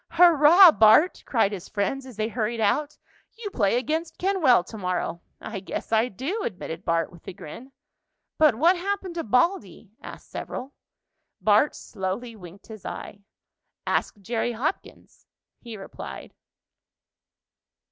"Hurrah, Bart!" cried his friends, as they hurried out. "You play against Kenwell to morrow." "I guess I do," admitted Bart with a grin. "But what happened to Baldy?" asked several. Bart slowly winked his eye. "Ask Jerry Hopkins," he replied.